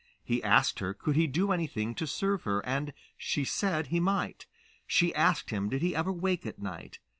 He asked her could he do anything to serve her, and she said he might. She asked him did he ever wake at night.